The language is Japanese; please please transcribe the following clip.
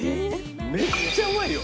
めっちゃうまいよ！